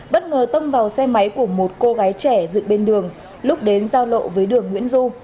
bất ngờ tông vào xe máy của một cô gái trẻ dựng bên đường lúc đến giao lộ với đường nguyễn du